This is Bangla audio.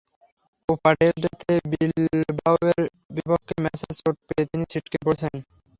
কোপা ডেল রেতে বিলবাওয়ের বিপক্ষে ম্যাচে চোট পেয়ে তিনি ছিটকে পড়েছেন।